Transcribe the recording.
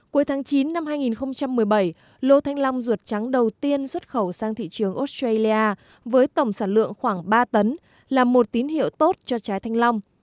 cuối tháng chín năm hai nghìn một mươi bảy lô thanh long ruột trắng đầu tiên xuất khẩu sang thị trường australia với tổng sản lượng khoảng ba tấn là một tín hiệu tốt cho trái thanh long